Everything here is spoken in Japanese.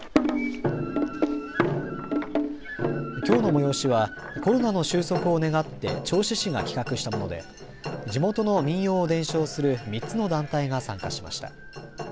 きょうの催しはコロナの収束を願って銚子市が企画したもので地元の民謡を伝承する３つの団体が参加しました。